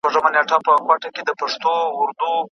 تاسو باید له غیبت او بدو خبرو ډډه وکړئ.